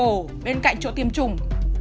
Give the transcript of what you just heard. hoặc ở cổ bên cạnh chỗ tiêm chủng